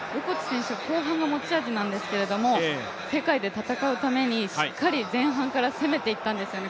横地選手は後半が持ち味なんですけれども世界で戦うためにしっかり前半から攻めていったんですよね。